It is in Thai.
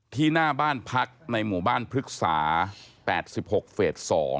หน้าบ้านพักในหมู่บ้านพฤกษา๘๖เฟส๒